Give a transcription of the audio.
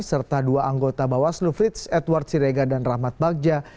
serta dua anggota bawaslu frits edward sirega dan rahmat bagja